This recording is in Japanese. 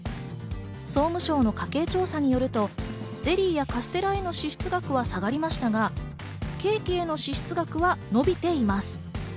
総務庁の家計調査によると、ゼリーやカステラへの支出は下がりましたがケーキへの支出は伸びています。